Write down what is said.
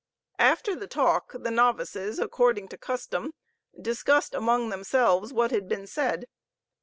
After the talk, the novices, according to custom, discussed amongst themselves what had been said.